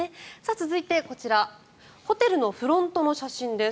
続いて、こちらホテルのフロントの写真です。